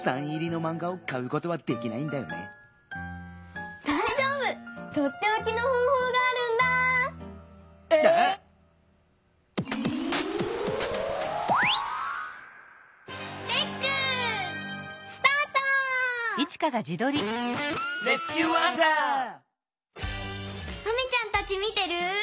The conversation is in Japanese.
マミちゃんたちみてる？